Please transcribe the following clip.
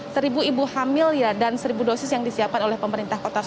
seribu ibu hamil dan seribu dosis yang disiapkan